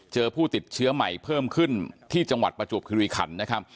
ผู้ติดเชื้อใหม่เพิ่มขึ้นที่จังหวัดประจวบคิริขันนะครับ